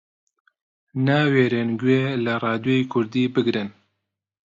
ناوێرن گوێ لە ڕادیۆی کوردی بگرن